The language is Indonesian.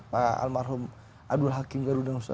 pak almarhum abdul hakim garudang